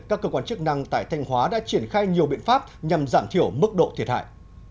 các cơ quan chức năng tại thanh hóa đã triển khai nhiều biện pháp nhằm giảm thiểu mức độ thiệt hại